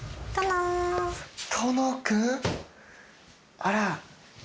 あら。